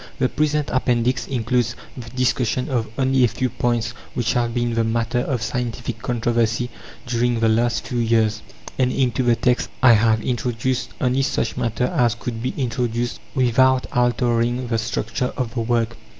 The present Appendix includes the discussion of only a few points which have been the matter of scientific controversy during the last few years; and into the text I have introduced only such matter as could be introduced without altering the structure of the work.